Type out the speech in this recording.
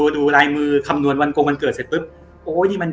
ดูลายมือคำนวณวันโกงวันเกิดเสร็จปุ๊บโอ้ยนี่มัน